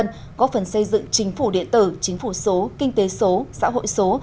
nhân dân có phần xây dựng chính phủ địa tử chính phủ số kinh tế số xã hội số